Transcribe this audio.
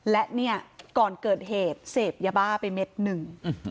และเนี่ยก่อนเกิดเหตุเสพยาบ้าไปเม็ดหนึ่ง